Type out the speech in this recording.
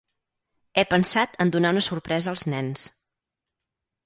He pensat en donar una sorpresa als nens.